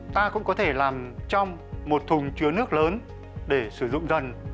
ta cũng có thể làm trong một thùng chứa nước lớn để sử dụng dần